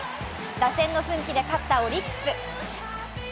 打線の奮起で勝ったオリックス。